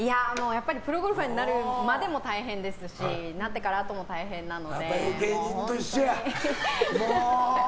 プロゴルファーになるまでも大変ですしなったあとも大変なので。